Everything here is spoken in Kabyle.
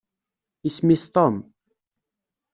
Isem-is Tom